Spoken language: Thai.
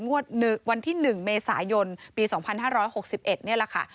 งวดวันที่๑เมษายนปี๒๕๖๑นี่แหละค่ะ